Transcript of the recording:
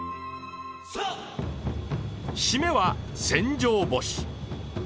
締めは船上干し。